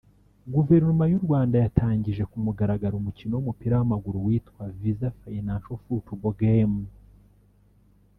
Guverinoma y’u Rwanda yatangije ku mugaragaro umukino w’umupira w’amaguru witwa “Visa Financial Football Game”